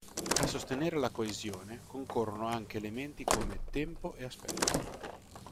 A sostenere la coesione concorrono anche elementi come tempo e aspetto.